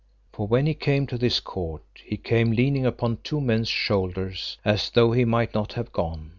For when he came to this court he came leaning upon two men's shoulders, as though he might not have gone.